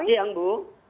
selamat siang bu